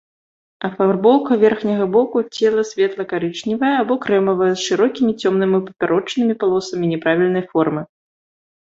Афарбоўка верхняга боку цела светла-карычневая або крэмавая з шырокімі цёмнымі папярочнымі палосамі няправільнай формы.